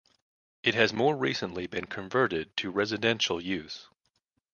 It has more recently been converted to residential use.